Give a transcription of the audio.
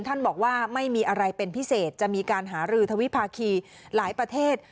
ท่านบอกว่าไม่มีอะไรเป็นพิเศษจะมีการหารือทวิภาคีหลายประเทศ